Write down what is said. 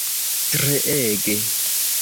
treege